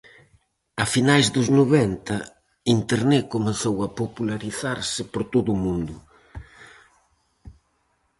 A finais dos noventa Internet comezou a popularizarse por todo o mundo.